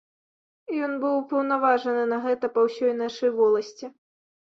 Ён быў упаўнаважаны на гэта па ўсёй нашай воласці.